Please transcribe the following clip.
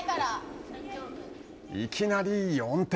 いきなり４点。